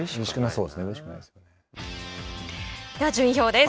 では順位表です。